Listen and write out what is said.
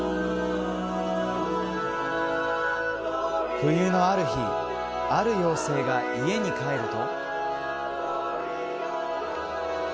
冬のある日、ある妖精が家に帰ると。